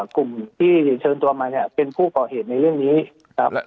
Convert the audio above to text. กลุ่มที่เชิญตัวมาเนี่ยเป็นผู้ก่อเหตุในเรื่องนี้ครับ